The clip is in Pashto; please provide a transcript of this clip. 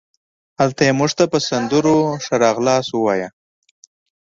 هلته یې مونږ ته په سندرو ښه راغلاست وویل.